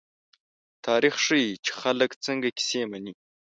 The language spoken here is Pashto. تاریخ ښيي، چې خلک څنګه کیسې مني.